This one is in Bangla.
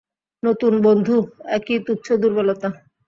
নতুন বন্ধু, একই তুচ্ছ দুর্বলতা।